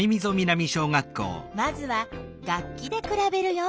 まずは楽器でくらべるよ。